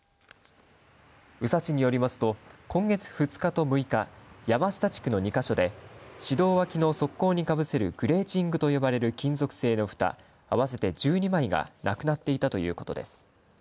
宇佐市によりますと今月２日と６日山下地区の２か所で市道脇の側溝にかぶせるグレーチングと呼ばれる金属製のふた、合わせて１２枚がなくなっていたということです。